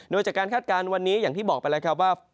โดยจากการคาดการณ์วันนี้อย่างที่บอกไปแล้วครับว่า